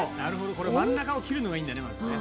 これ真ん中を切るのがいいんだよねまずね。